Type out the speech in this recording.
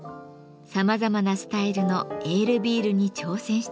さまざまなスタイルのエールビールに挑戦してきました。